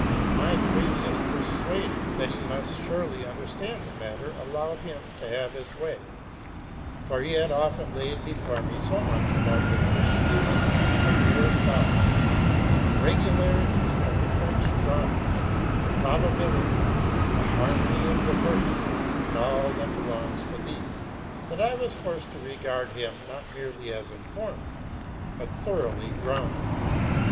My previous persuasion that he must surely understand the matter, allowed him to have his way; for he had often laid before me so much about the Three Unities of Aristotle, the regularity of the French drama, the probability, the harmony of the verse, and all that belongs to these, that I was forced to regard him, not merely as 'informed, but thoroughly grounded.